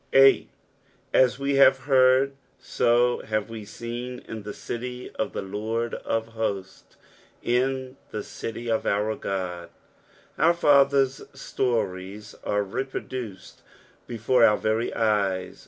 S. ^' At ma have h^trd, to have tee teen in the aty of the Lord of htttU, tn At eity of onr God." Our father's stories are reproduced before our very eyes.